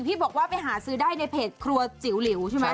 ที่บอกว่าไปหาซื้อได้ในเพจครัวจิ๋วหลิวใช่ไหม